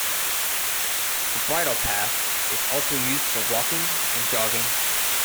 The Bridle Path is also used for walking and jogging.